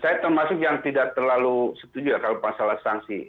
saya maksud yang tidak terlalu setuju kalau masalah sanksi